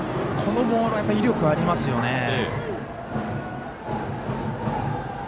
このボールは威力がありますよね。